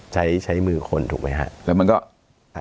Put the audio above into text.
ใช้ใช้มือคนถูกไหมฮะแล้วมันก็อ่า